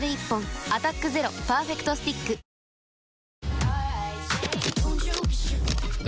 「アタックＺＥＲＯパーフェクトスティック」金指）